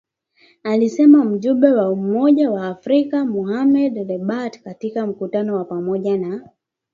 alisema mjumbe wa Umoja wa Afrika Mohamed Lebatt katika mkutano wa pamoja na